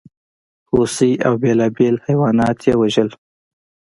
هوسۍ او بېلابېل حیوانات یې وژل.